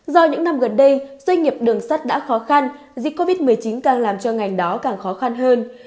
do những năm gần đây doanh nghiệp đường sắt đã khó khăn dịch covid một mươi chín càng làm cho ngành đó càng khó khăn hơn